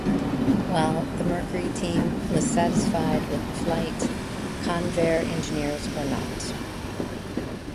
While the Mercury team was satisfied with the flight, Convair engineers were not.